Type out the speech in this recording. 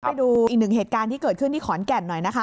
ไปดูอีกหนึ่งเหตุการณ์ที่เกิดขึ้นที่ขอนแก่นหน่อยนะคะ